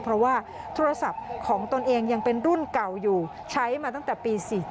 เพราะว่าโทรศัพท์ของตนเองยังเป็นรุ่นเก่าอยู่ใช้มาตั้งแต่ปี๔๔